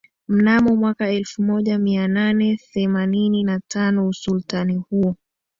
mnamo mwaka elfu moja mia nane themanini na tano Usultani huo